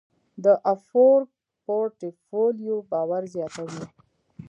د افورک پورټفولیو باور زیاتوي.